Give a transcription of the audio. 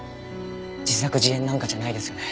自作自演なんかじゃないですよね？